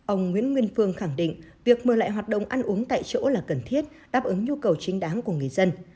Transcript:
ông nguyễn nguyên phương khẳng định việc mở lại hoạt động ăn uống tại chỗ là cần thiết đáp ứng nhu cầu chính đáng của người dân